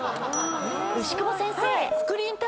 牛窪先生。